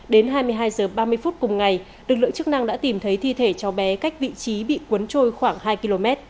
đến hai mươi hai h ba mươi phút cùng ngày lực lượng chức năng đã tìm thấy thi thể cháu bé cách vị trí bị cuốn trôi khoảng hai km